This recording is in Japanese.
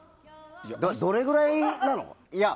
どれぐらいなの？